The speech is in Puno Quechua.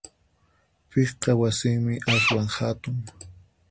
Piqpa wasinmi aswan hatun?